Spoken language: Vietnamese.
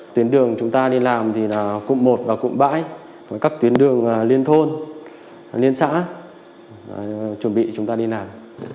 tuyến đường chúng ta đi làm thì là cụm một và cụm bãi với các tuyến đường liên thôn liên xã chuẩn bị chúng ta đi làm